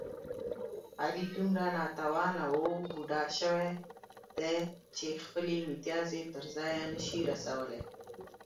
علي دومره ناتوانه و بوډا شوی دی، چې خپل متیازې تر ځایه نشي رسولی.